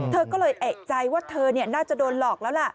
เธอก็เลยเอกใจว่าเธอน่าจะโดนหลอกแล้วล่ะ